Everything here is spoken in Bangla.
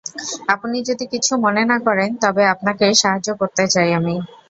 আপনি যদি কিছু মনে না করেন, তবে আপনাকে সাহায্য করতে চাই আমি!